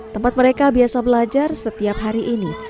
tempat mereka biasa belajar setiap hari ini